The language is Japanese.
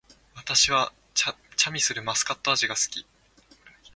私はチャミスルマスカット味が好き